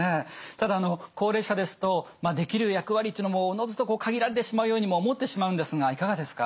ただ高齢者ですとできる役割っていうのもおのずと限られてしまうようにも思ってしまうんですがいかがですか？